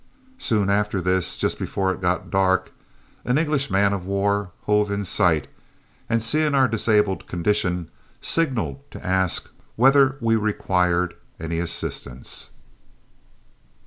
Soon after this, just before it got dark, an English man of war hove in sight, and, seeing our disabled condition, signalled to ask whether we required any assistance.